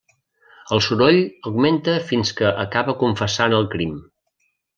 El soroll augmenta fins que acaba confessant el crim.